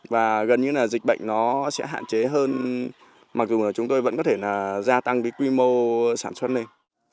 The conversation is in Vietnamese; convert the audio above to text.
và gần như là dịch bệnh nó sẽ hạn chế hơn mặc dù là chúng tôi vẫn có thể là gia tăng cái quy mô sản xuất lên